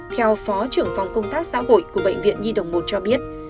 theo phó trưởng phòng công tác xã hội của bệnh viện nhi đồng một cho biết